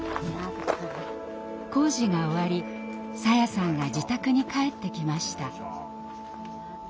工事が終わりさやさんが自宅に帰ってきました。